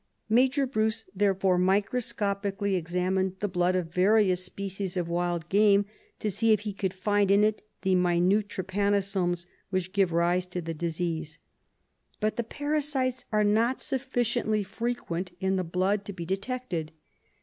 Major Bruce therefore microscopically examined the blood of various species of wild game to see if he could find in it the minute trypanosomes which give rise to the disease. But the j)ara sites are not sufficiently frequent in the blood to be detected.